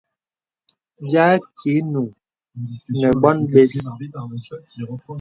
Bìa àkə īnuŋ nə bòn bə̀s.